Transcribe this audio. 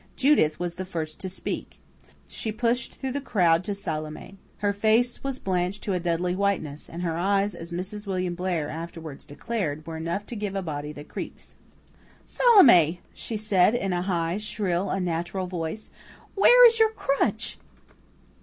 Judith was the first to speak. She pushed through the crowd to Salome. Her face was blanched to a deadly whiteness; and her eyes, as Mrs. William Blair afterwards declared, were enough to give a body the creeps. "Salome," she said in a high, shrill, unnatural voice, "where is your crutch?"